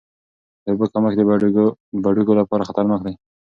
د اوبو کمښت د بډوګو لپاره خطرناک دی.